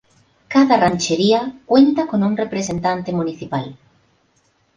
Cada ranchería cuenta un representante municipal.